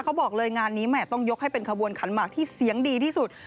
เขาบอกเลยงานนี้แม่ต้องยกให้เป็นขบวนขันหมากที่เสียงดีที่สุด